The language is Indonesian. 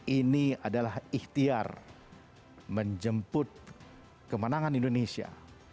ini adalah ikhtiar menjemput kemenangan indonesia